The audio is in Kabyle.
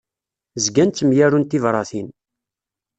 Zgan ttemyarun tibratin.